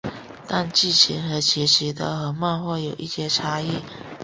但剧情和结局都和漫画有一些差异。